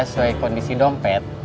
sesuai kondisi dompet